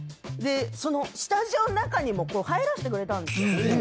でそのスタジオの中にも入らしてくれたんですよ。